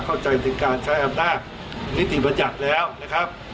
เข้าใจถึงการใช้อัพนาคมนิติระยะแล้วนะครับ